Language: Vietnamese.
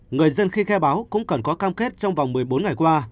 người dân khi khai báo cũng cần có cam kết trong vòng một mươi bốn ngày qua